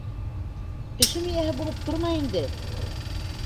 Эшем эйәһе булып торма инде.